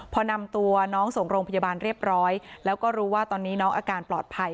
พอนำตัวน้องส่งโรงพยาบาลเรียบร้อยแล้วก็รู้ว่าตอนนี้น้องอาการปลอดภัย